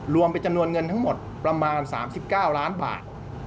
รวมเป็นจำนวนเงินทั้งหมดประมาณ๓๙ล้านบาท